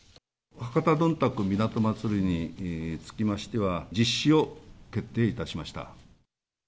博多どんたく港まつりにつきましては、実施を決定いたしました。